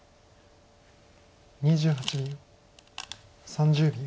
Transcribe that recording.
３０秒。